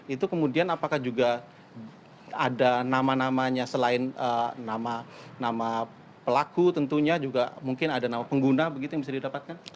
itu kemudian apakah juga ada nama namanya selain nama pelaku tentunya juga mungkin ada nama pengguna begitu yang bisa didapatkan